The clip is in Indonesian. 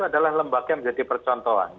adalah lembaga yang menjadi percontohan